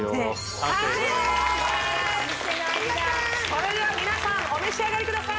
完成皆さんお召し上がりください